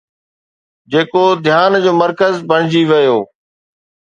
جيڪو ڌيان جو مرڪز بڻجي ويو